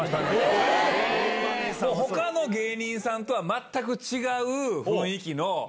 他の芸人さんとは全く違う雰囲気の。